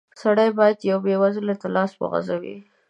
سړی بايد يوه بېوزله ته لاس وغزوي.